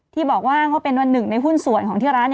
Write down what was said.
ที่บอกว่าเขาเป็นวันหนึ่งในหุ้นส่วนของที่ร้าน